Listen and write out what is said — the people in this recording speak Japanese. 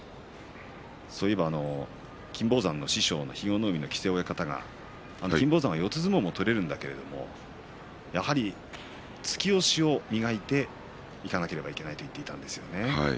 そういえば金峰山の師匠の肥後ノ海の木瀬親方が金峰山は四つ相撲も取れるんだけれどもやはり突き押しを磨いていかなければいけないと言っていたんですよね。